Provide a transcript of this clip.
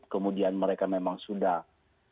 kemudian mereka memang sudah bergerak di bidang perikanan